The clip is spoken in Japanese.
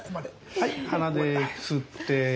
はい鼻で吸って。